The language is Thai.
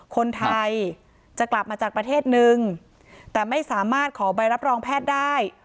คนไทยจะกลับมาจากประเทศนึงแต่ไม่สามารถขอใบรับรองแพทย์ได้